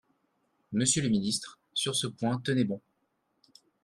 Monsieur le ministre, sur ce point, tenez bon